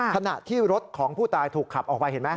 ขณะที่รถของผู้ตายถูกขับออกไปเห็นไหม